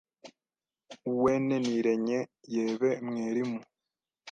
Uwenenirenye yebe mwerimu